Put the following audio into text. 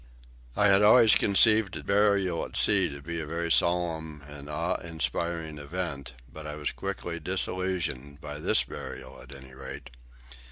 I had always conceived a burial at sea to be a very solemn and awe inspiring event, but I was quickly disillusioned, by this burial at any rate.